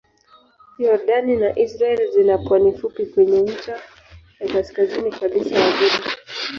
Yordani na Israel zina pwani fupi kwenye ncha ya kaskazini kabisa ya ghuba.